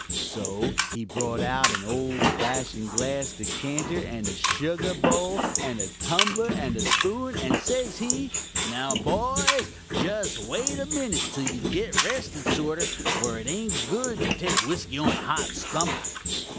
So he brought out an old fashend glass decanter, and a shugar bowl, and a tumbler, and a spoon, and says he, "Now, boys, jest wait a minit till you git rested sorter, for it ain't good to take whiskey on a hot stomack.